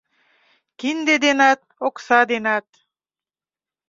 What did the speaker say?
Кинде денат, окса денат.